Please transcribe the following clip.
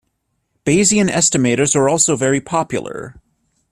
Bayesian estimators are also very popular.